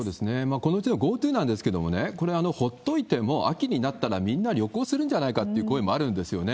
このうちのＧｏＴｏなんですけれども、これはほっといても秋になったらみんな旅行するんじゃないかって声もあるんですよね。